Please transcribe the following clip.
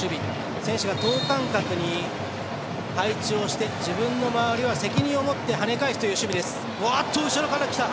選手が等間隔に配置をして、自分の周りは責任を持って跳ね返すという守備。